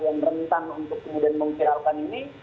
yang rentan untuk kemudian memviralkan ini